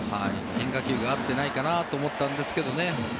変化球が合ってないかなと思ったんですけどね。